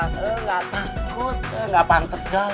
enggak takut enggak pantes jalan